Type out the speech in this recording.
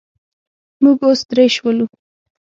موږ اوس درې شولو.